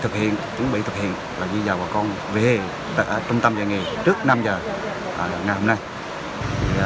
chỉ chuẩn bị thực hiện là di rời bà con về trung tâm dạy nghề trước năm giờ ngày hôm nay